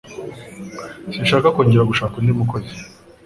Sinshaka kongera gushaka undi mukozi.